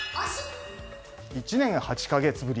１年８か月ぶり